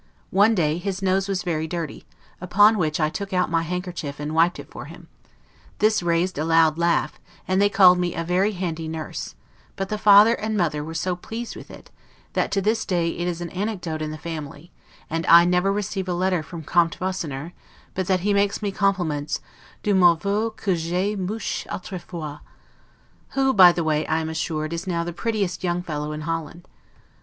One day his nose was very dirty, upon which I took out my handkerchief and wiped it for him; this raised a loud laugh, and they called me a very, handy nurse; but the father and mother were so pleased with it, that to this day it is an anecdote in the family, and I never receive a letter from Comte Wassenaer, but he makes me the compliments 'du morveux gue j'ai mouche autrefois'; who, by the way, I am assured, is now the prettiest young fellow in Holland.